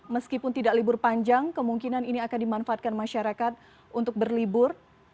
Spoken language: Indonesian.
meskipun tidak libur panjang kemungkinan ini akan dimanfaatkan masyarakat untuk berlibur